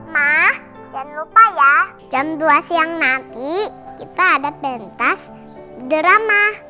mah jangan lupa ya jam dua siang nanti kita ada pentas drama